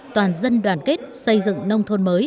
toàn dân đoàn kết xây dựng nông thôn